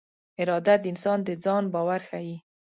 اراده د انسان د ځان باور ښيي.